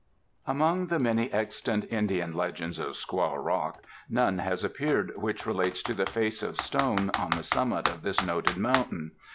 Among the many extant Indian Legends of Squaw Rock, none has appeared which relates to the face of stone, on the summit of this noted mountain.